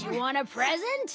プレゼント！